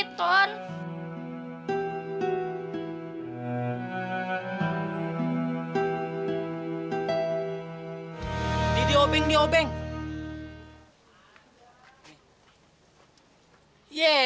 tidak ada yang militernya